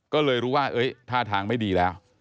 ก็เลยรู้ว่าท่าทางไม่ดีแล้ว